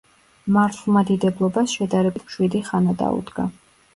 მართლმადიდებლობას შედარებით მშვიდი ხანა დაუდგა.